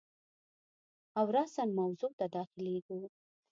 او راساً موضوع ته داخلیږو.